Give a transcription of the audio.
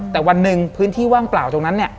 แต่วันหนึ่งพื้นที่ว่างเปล่าตรงนั้นเนี่ย